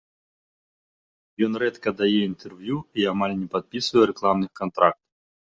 Ён рэдка дае інтэрв'ю і амаль не падпісвае рэкламных кантрактаў.